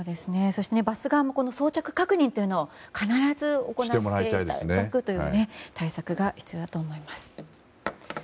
そして、バス側も装着確認を必ず行っていただく対策が必要だと思います。